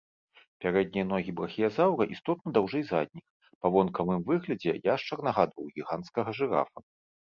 Пярэднія ногі брахіязаўра істотна даўжэй задніх, па вонкавым выглядзе яшчар нагадваў гіганцкага жырафа.